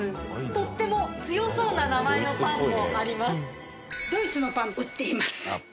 とっても強そうな名前のパンもあります。